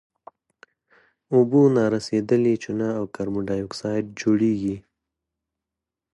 اوبه نارسیدلې چونه او کاربن ډای اکسایډ جوړیږي.